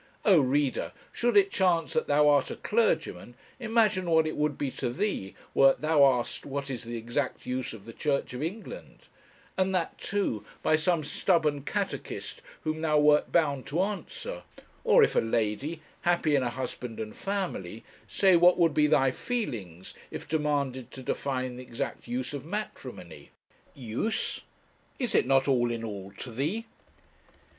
O reader! should it chance that thou art a clergyman, imagine what it would be to thee, wert thou asked what is the exact use of the Church of England; and that, too, by some stubborn catechist whom thou wert bound to answer; or, if a lady, happy in a husband and family, say, what would be thy feelings if demanded to define the exact use of matrimony? Use! Is it not all in all to thee?